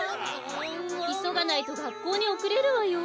いそがないとがっこうにおくれるわよ。